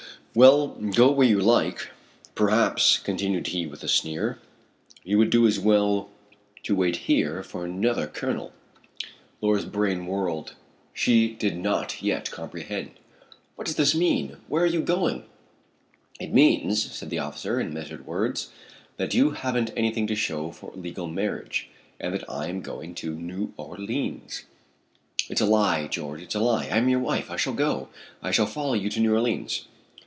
"Well, go where you like. Perhaps," continued he with a sneer, "you would do as well to wait here, for another colonel." Laura's brain whirled. She did not yet comprehend. "What does this mean? Where are you going?" "It means," said the officer, in measured words, "that you haven't anything to show for a legal marriage, and that I am going to New Orleans." "It's a lie, George, it's a lie. I am your wife. I shall go. I shall follow you to New Orleans."